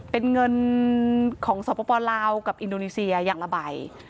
เป็นเงินของสปลาวกับอินโดนีเซียอย่างละใบ